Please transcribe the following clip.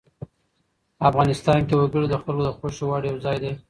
افغانستان کې وګړي د خلکو د خوښې وړ یو ځای دی.